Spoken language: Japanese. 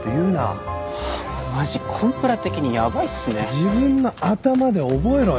自分の頭で覚えろよ。